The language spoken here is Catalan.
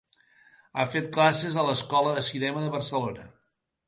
Ha fet classes a l'Escola de Cinema de Barcelona.